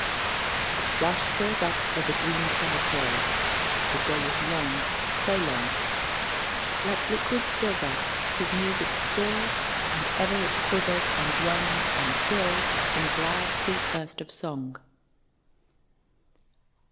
The thrush soars up, over green clad hills, (The day is long, so long;) Like liquid silver his music spills, And ever it quivers, and runs, and trills In a glad sweet burst of song.